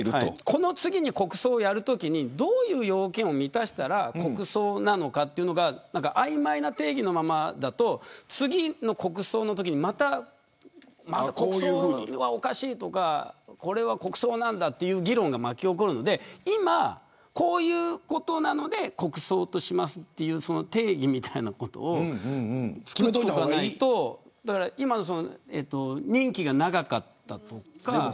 この次に国葬をやるときにどういう要件を満たしたら国葬なのかというのが曖昧な定義のままだと次の国葬のときにこれは国葬なんだという議論が巻き起こるので今こういうことなので国葬としますという定義みたいなことをつくっておかないと任期が長かったとか。